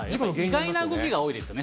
意外な動きが多いですね。